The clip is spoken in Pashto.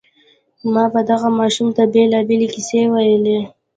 ما به دغه ماشوم ته بېلابېلې کيسې ويلې.